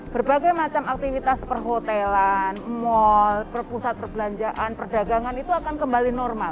berbagai macam aktivitas perhotelan mall pusat perbelanjaan perdagangan itu akan kembali normal